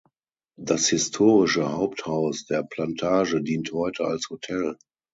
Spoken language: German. Das historische Haupthaus der Plantage dient heute als Hotel.